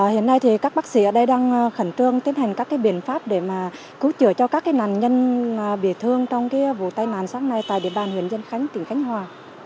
hiện nay thì các bác sĩ ở đây đang khẩn trương tiến hành các biện pháp để cứu chữa cho các nạn nhân bị thương trong vụ tai nạn sáng nay tại địa bàn huyện dân khánh tỉnh khánh hòa